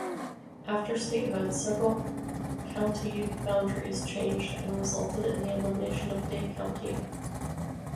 After statehood, several county boundaries changed and resulted in the elimination of Day County.